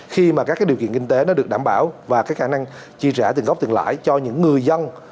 khi mà các điều kiện kinh tế nó được đảm bảo và cái khả năng chi trả tiền góp tiền lãi cho những người dân